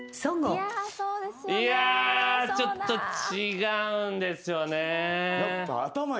いやちょっと違うんですよね。